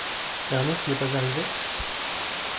Ernest n’est pas arrivé ?